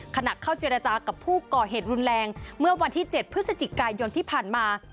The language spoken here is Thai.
ขณะเข้าเจรจากับผู้ก่อเหตุรุนแรงเมื่อวันที่๗พฤศจิกายนที่ผ่านมา